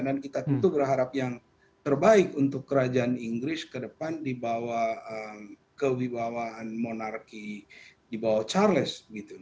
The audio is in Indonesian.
dan kita tentu berharap yang terbaik untuk kerajaan inggris ke depan dibawah kewibawaan monarki dibawah charles